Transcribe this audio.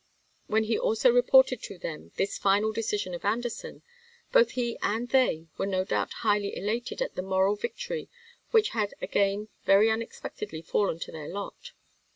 "When he also reported to them this final decision of Anderson, both he and they were no doubt highly elated at the moral victory which had again very unexpectedly fallen to their lot.